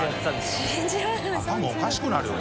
頭おかしくなるよ